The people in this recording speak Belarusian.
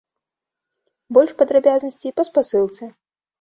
Больш падрабязнасцей па спасылцы.